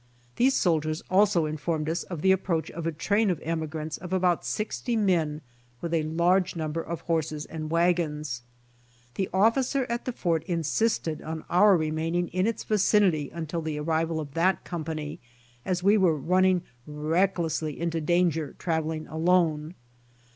These soldiers also informed us of the approach of a train of emigrants of about sixty men with a large number of horses and wagons. The officer at the fort insisted on our remaining in its vicinity until the arrival of that company, as we were running recklessly into danger traveling alone.